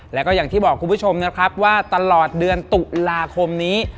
แล้วก็อย่างที่บอกคุณผู้ชมนะครับว่าตลอดเดือนตุลาคมนี้